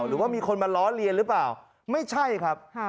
หรือว่ามีคนมาล้อเลียนหรือเปล่าไม่ใช่ครับ